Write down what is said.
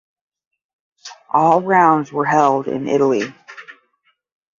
All rounds were held in Italy.